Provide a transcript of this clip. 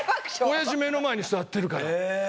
親父目の前に座ってるから。